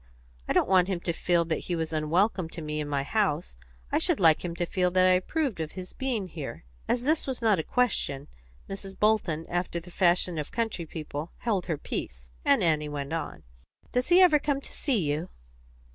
I don't want him to feel that he was unwelcome to me in my house; I should like him to feel that I approved of his having been here." As this was not a question, Mrs. Bolton, after the fashion of country people, held her peace, and Annie went on "Does he never come to see you?"